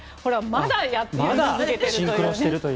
まだやり続けているという。